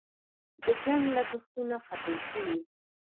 د جنګ لګښتونه ختم شوي؟